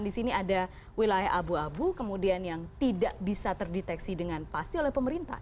di sini ada wilayah abu abu kemudian yang tidak bisa terdeteksi dengan pasti oleh pemerintah